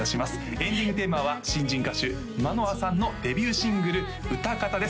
エンディングテーマは新人歌手舞乃空さんのデビューシングル「うたかた」です